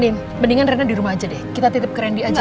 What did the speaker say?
nih mendingan rene dirumah aja deh kita titip ke rendy aja